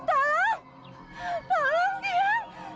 sedang sedang tiang